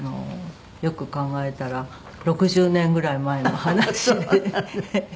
よく考えたら６０年ぐらい前の話で。